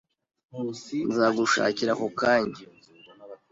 Nzagushakira ako kanya.